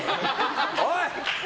おい！